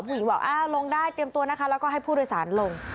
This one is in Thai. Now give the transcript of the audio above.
ผู้หญิงบอกอ้าวลงได้เตรียมตัวนะคะแล้วก็ให้ผู้โดยสารลง